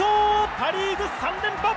パ・リーグ３連覇。